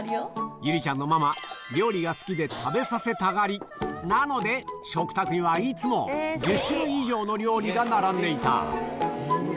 友梨ちゃんのママ、料理が好きで食べさせたがりなので、食卓にはいつも、１０種類以上の料理が並んでいた。